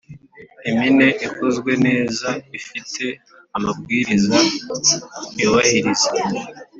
impine ikozwe neza ifite amabwiriza yubahiriza: